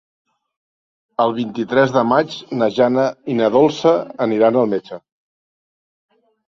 El vint-i-tres de maig na Jana i na Dolça aniran al metge.